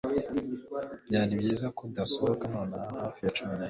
Byari byiza ko udasohoka nonaha Hafi ya cumi na rimwe